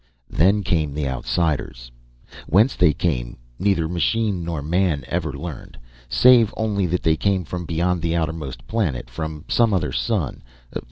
Then came the Outsiders. Whence they came, neither machine nor man ever learned, save only that they came from beyond the outermost planet, from some other sun.